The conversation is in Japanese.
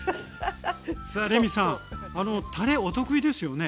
さあレミさんたれお得意ですよね？